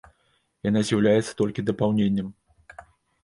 Яна з'яўляецца толькі дапаўненнем.